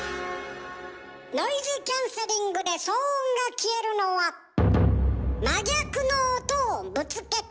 ノイズキャンセリングで騒音が消えるのは真逆の音をぶつけているから。